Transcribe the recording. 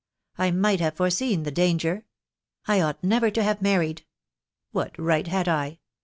I might have foreseen the danger. I ought never to have married. What right had I?